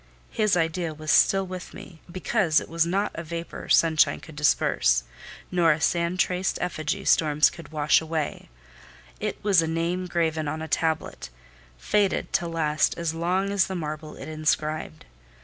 His idea was still with me, because it was not a vapour sunshine could disperse, nor a sand traced effigy storms could wash away; it was a name graven on a tablet, fated to last as long as the marble it inscribed.